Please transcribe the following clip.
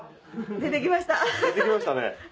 出てきましたね。